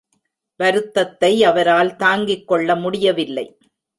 வருத்தத்தை அவரால் தாங்கிக் கொள்ள முடியவில்லை.